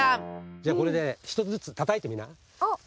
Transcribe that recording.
じゃこれで１つずつたたいてみな。